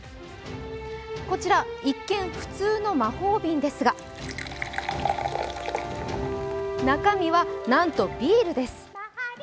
こちら一見、普通の魔法瓶ですが、中身はなんとビールです。